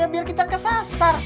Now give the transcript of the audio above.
ya biar kita kesasar